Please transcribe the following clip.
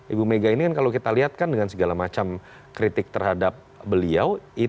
ibu mega ini kan kalau kita lihat kan dengan segala macam kritik terhadap beliau